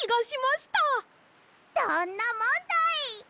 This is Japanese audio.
どんなもんだい！